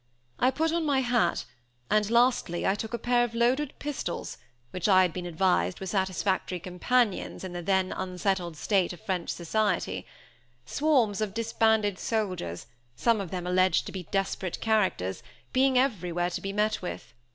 I put on my hat and, lastly, I took a pair of loaded pistols, which I had been advised were satisfactory companions in the then unsettled state of French society; swarms of disbanded soldiers, some of them alleged to be desperate characters, being everywhere to be met with.